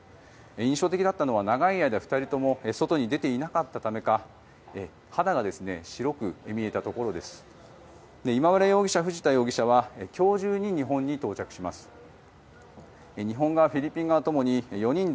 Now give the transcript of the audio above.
印象的だったのは長い間２人とも外に出ていなかったためか肌が白く見えたということです。